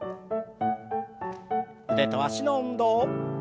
腕と脚の運動。